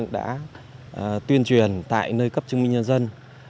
đã tuyên truyền tại nơi cấp chứng minh nhân dân